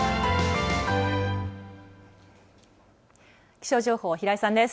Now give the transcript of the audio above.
気象情報は平井さんです。